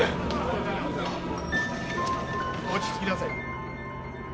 落ち着きなさい。